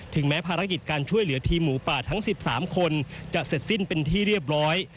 แม้ภารกิจการช่วยเหลือทีมหมูป่าทั้ง๑๓คนจะเสร็จสิ้นเป็นที่เรียบร้อย